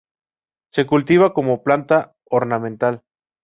Se cultiva como planta ornamental.